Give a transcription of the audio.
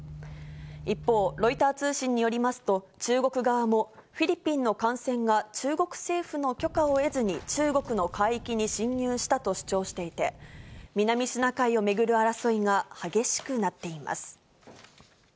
一方、ロイター通信によりますと、中国側も、フィリピンの艦船が中国政府の許可を得ずに中国の海域に侵入したと主張していて、南シナ海を巡る争いが激しくなっています。